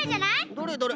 どれどれ。